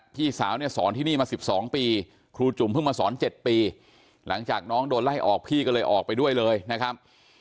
พี่สาวเนี่ยสอนที่นี่มา๑๒ปีครูจุ่มเพิ่งมาสอน๗ปีหลังจากน้องโดนไล่ออกพี่ก็เลยออกไปด้วยเลยนะครับ